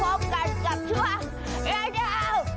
มาหากับต่อไปพร้อมกันกับชื่อว่าแอดาวเค้าอีน้า